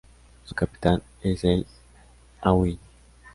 Su capital es El Aaiún.